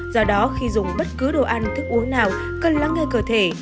do đó khi dùng bất cứ đồ ăn thức uống nào cần lắng nghe cơ thể